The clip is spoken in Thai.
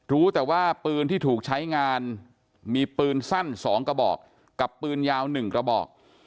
รู้แต่ว่าปืนที่ถูกใช้งานมีปืนสั้น๒กระบอกกับปืนยาว๑กระบอก